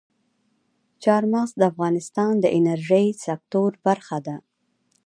چار مغز د افغانستان د انرژۍ سکتور برخه ده.